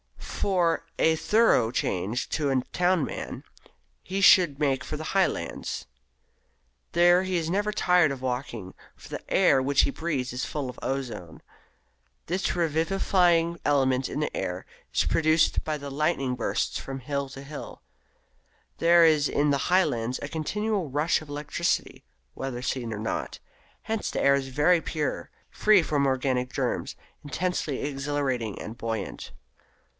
For a thorough change to a town man, he should make for the Highlands. There he is never tired of walking, for the air which he breathes is full of ozone. This revivifying element in the air is produced by the lightning bursts from hill to hill. There is in the Highlands a continual rush of electricity, whether seen or not. Hence the air is very pure, free from organic germs, intensely exhilarating and buoyant.